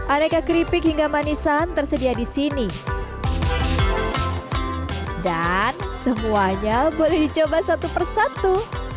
aneka keripik hingga manisan tersedia di sini dan semuanya boleh dicoba satu persatu